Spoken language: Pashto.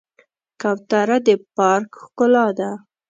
کوتره د پارک ښکلا ده.